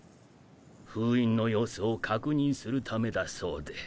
封印の様子を確認するためだそうで。